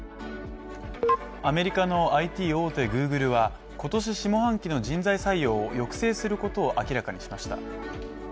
アメリカのＩＴ大手Ｇｏｏｇｌｅは今年下半期の人材採用を抑制することを明らかにしました。